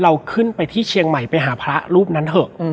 เราขึ้นไปที่เชียงใหม่ไปหาพระรูปนั้นเถอะ